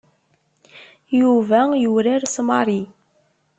Yuba yurar s Mary.